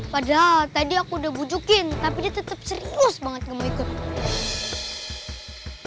padahal tadi aku udah bujukin tapi dia tetap serius banget gak mau ikut